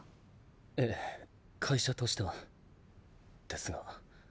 ええかいしゃとしては。ですが。